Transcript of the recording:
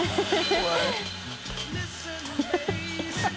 怖い。